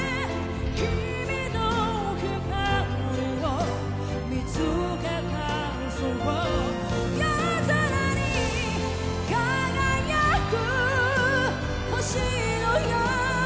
「君の光を見つけだそう」「夜空に輝く星のように」